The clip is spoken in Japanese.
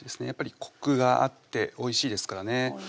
やっぱりコクがあっておいしいですからね